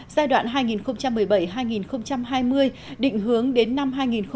giai đoạn hai nghìn một mươi bảy hai nghìn hai mươi định hướng đến năm hai nghìn hai mươi